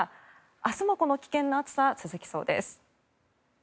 明日もこの危険な暑さ続きそうです。